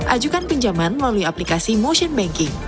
ajukan pinjaman melalui aplikasi motion banking